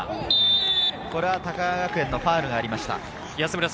これは高川学園のファウルがありました。